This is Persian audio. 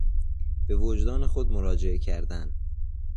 به وجدان خود مراجعه کردن